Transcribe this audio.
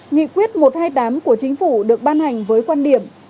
nghị quyết một trăm hai mươi tám của chính phủ được ban hành với quan điểm